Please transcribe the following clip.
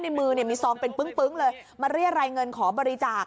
ในมือเนี่ยมีซองเป็นปึ้งเลยมาเรียรายเงินขอบริจาค